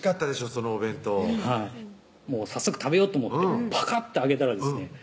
そのお弁当はい早速食べようと思ってパカッて開けたらですね